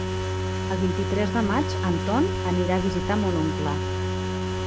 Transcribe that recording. El vint-i-tres de maig en Ton anirà a visitar mon oncle.